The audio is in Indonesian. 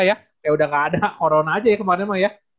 kayak udah gak ada corona aja ya kemarin mah ya